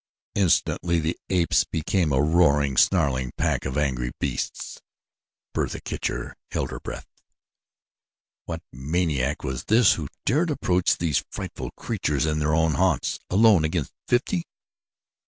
Instantly the apes became a roaring, snarling pack of angry beasts. Bertha Kircher held her breath. What maniac was this who dared approach these frightful creatures in their own haunts, alone against fifty?